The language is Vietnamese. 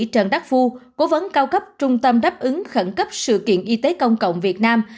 trần đắc phu cố vấn cao cấp trung tâm đáp ứng khẩn cấp sự kiện y tế công cộng việt nam